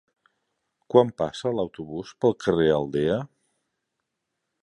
Quan passa l'autobús pel carrer Aldea?